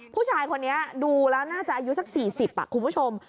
ผู้ชายคนนี้ดูแล้วน่าจะอายุสัก๔๐คุณผู้ชม